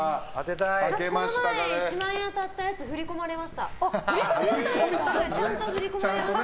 この前１万円当たったやつ振り込まれました。